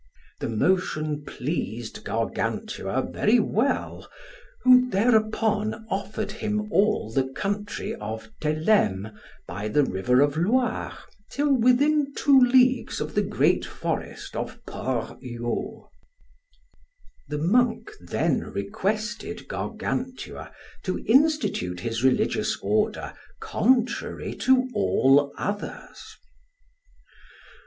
The motion pleased Gargantua very well, who thereupon offered him all the country of Theleme by the river of Loire till within two leagues of the great forest of Port Huaulx. The monk then requested Gargantua to institute his religious order contrary to all others.